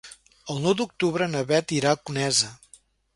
El nou d'octubre na Beth irà a Conesa.